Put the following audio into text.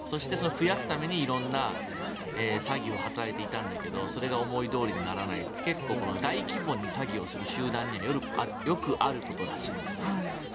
増やすために色んな詐欺を働いていたんだけどそれが思いどおりにならないという結構大規模な詐欺をする集団にはよくあることらしいんです。